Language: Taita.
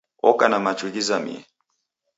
Oka na machu ghizamie